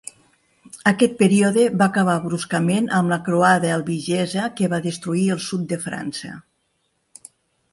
Aquest període va acabar bruscament amb la croada albigesa que va destruir el sud de França.